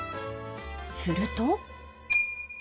すると